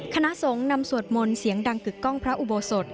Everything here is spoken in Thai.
คณะสงฆ์นำสวดมนต์เสียงดังกึกกล้องพระอุโบสถ